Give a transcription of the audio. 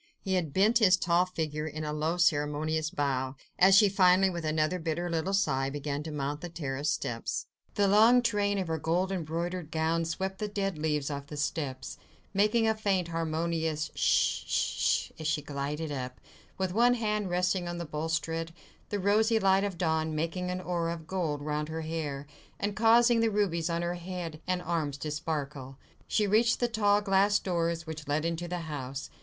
He had bent his tall figure in a low ceremonious bow, as she finally, with another bitter little sigh, began to mount the terrace steps. The long train of her gold embroidered gown swept the dead leaves off the steps, making a faint harmonious sh—sh—sh as she glided up, with one hand resting on the balustrade, the rosy light of dawn making an aureole of gold round her hair, and causing the rubies on her head and arms to sparkle. She reached the tall glass doors which led into the house.